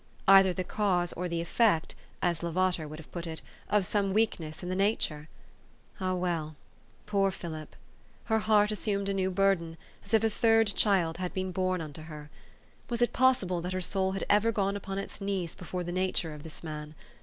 either the cause or the effect, as Lavater would have put it, of some weakness in the nature ? Ah, well ! Poor Philip ! Her heart assumed a new burden, as if a third child had been born unto her. Was it possible that her soul had ever gone upon its knees before the nature of this man?